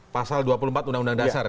pasal dua puluh empat undang undang dasar